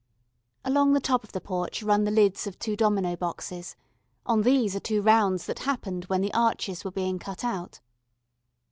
Along the top of the porch run the lids of two domino boxes; on these are two rounds that happened when the arches were being cut out.